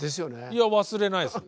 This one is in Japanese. いや忘れないです。